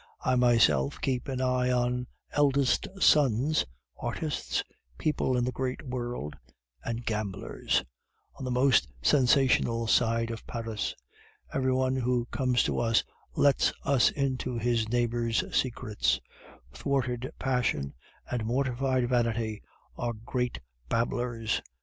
I myself keep an eye on eldest sons, artists, people in the great world, and gamblers on the most sensational side of Paris. Every one who comes to us lets us into his neighbor's secrets. Thwarted passion and mortified vanity are great babblers.